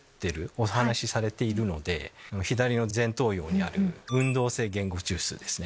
お話されているので左の前頭葉にある運動性言語中枢ですね。